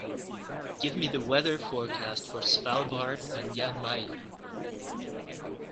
Give me the weather forecast for Svalbard and Jan Mayen